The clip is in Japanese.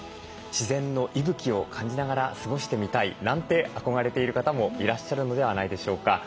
自然の息吹を感じながら過ごしてみたいなんて憧れている方もいらっしゃるのではないでしょうか。